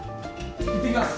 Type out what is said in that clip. いってきます。